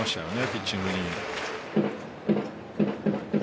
ピッチングに。